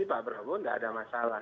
pak prabowo tidak ada masalah